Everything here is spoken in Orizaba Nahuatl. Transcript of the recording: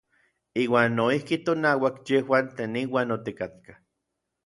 Iuan noijki tonauak tejuan tlen inauak otikatkaj.